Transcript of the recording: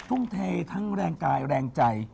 ทุ่มเททั้งแรงกายแรงใจ